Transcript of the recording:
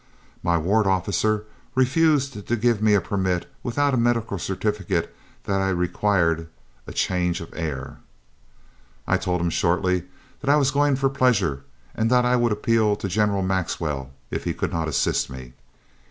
"My 'ward officer' refused to give me a permit without a medical certificate that I required a change of air. "I told him shortly that I was going for pleasure and that I would appeal to General Maxwell if he could not assist me.